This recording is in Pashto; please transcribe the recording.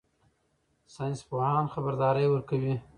ساینس پوهان خبرداری ورکوي.